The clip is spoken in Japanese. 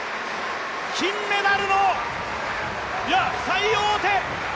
金メダルの最大手！